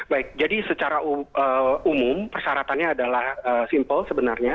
baik jadi secara umum persyaratannya adalah simpel sebenarnya